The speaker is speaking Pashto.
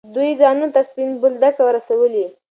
دوی ځانونه تر سپین بولدکه رسولي.